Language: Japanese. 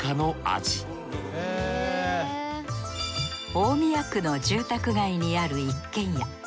大宮区の住宅街にある一軒家。